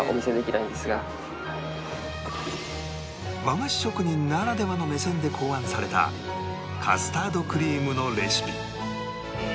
和菓子職人ならではの目線で考案されたカスタードクリームのレシピ